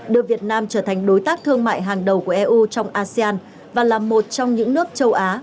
đưa việt nam trở thành đối tác thương mại hàng đầu của eu trong asean và là một trong những nước châu á